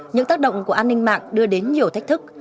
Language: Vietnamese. những tác động của an ninh mạng đưa đến nhiều thách thức